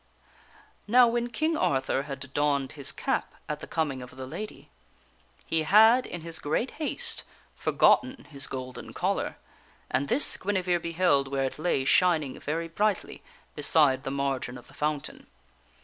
Now when King Arthur had donned his cap at the coming of the Lady, he had, in his great haste, forgotten his golden collar, and this Guinevere beheld where it lay shining very brightly, beside the margin of the foun tain.